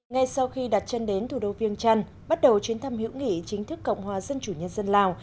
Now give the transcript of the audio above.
ngay sau khi đặt chân đến thủ đô viêng trăn bắt đầu chuyến thăm hữu nghị chính thức cộng hòa dân chủ nhân dân lào